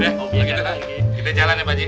yaudah kita jalan ya pakji